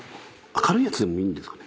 軽いやつでもいいんですかね？